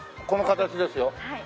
この形ですよ